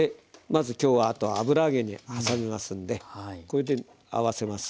まず今日はあと油揚げにはさみますんでこれで合わせます。